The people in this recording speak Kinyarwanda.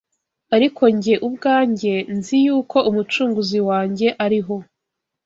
Ariko jye ubwanjye, nzi yuko Umucunguzi wanjye ariho